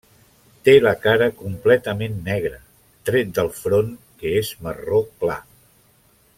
Té la cara completament negra, tret del front, que és marró clar.